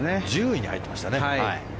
１０位に入ってましたね。